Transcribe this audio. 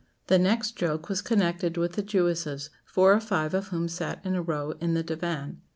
The next joke was connected with the Jewesses, four or five of whom sat in a row in the diwán.